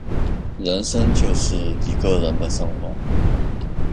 人生就是一个人的生活